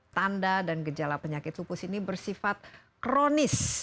tanda dan gejala penyakit lupus ini bersifat kronis